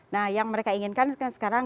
nah yang mereka inginkan sekarang